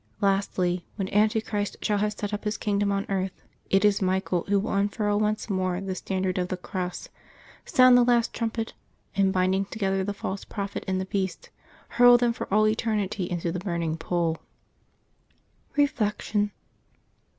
Lastly, when Antichrist shall have set up his kingdom on earth, it is Michael who will unfurl once more the standard of the Cross, sound the last trumpet, and binding together the false prophet and the beast, hurl them for all eternity into the burning pool. Reflection.